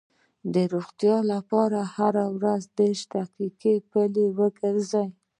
د روغتیا لپاره هره ورځ دېرش دقیقې پلي وګرځئ.